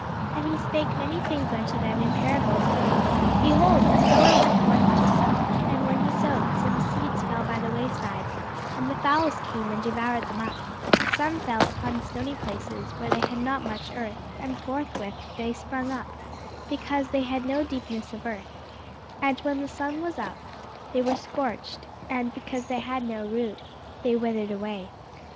And he spake many things unto them in parables, saying, Behold, a sower went forth to sow; and when he sowed, some seeds fell by the way side, and the fowls came and devoured them up: some fell upon stony places, where they had not much earth: and forthwith they sprung up, because they had no deepness of earth: and when the sun was up, they were scorched; and because they had no root, they withered away.